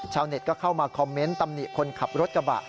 เน็ตก็เข้ามาคอมเมนต์ตำหนิคนขับรถกระบะ